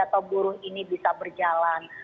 atau buruh ini bisa berjalan